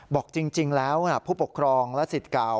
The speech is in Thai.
บอกจริงแล้วผู้ปกครองและสิทธิ์เก่า